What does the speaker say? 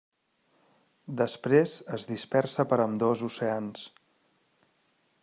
Després es dispersa per ambdós oceans.